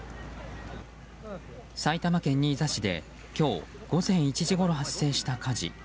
埼玉県新座市で今日午前１時ごろ発生した火事。